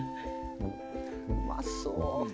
うまそう！